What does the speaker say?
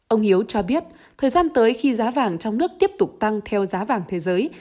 ông hiếu cho biết thời gian tới khi giá vàng trong nước tiếp tục tăng theo giá vàng thế giới